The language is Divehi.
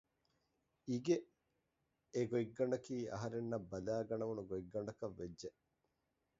އަިގެ އެ ގޮތްގަނޑަކީ އަހަރެންނަށް ބަލައިގަނެވުނު ގޮތްގަނޑަކަށް ވެއްޖެ